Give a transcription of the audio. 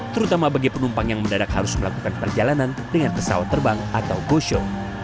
terutama bagi penumpang yang mendadak harus melakukan perjalanan dengan pesawat terbang atau go show